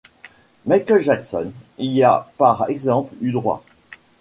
Michael Jackson y a par exemple eu droit.